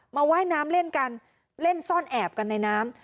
ว่ายน้ำเล่นกันเล่นซ่อนแอบกันในน้ำ